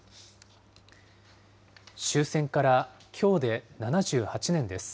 終戦からきょうで７８年です。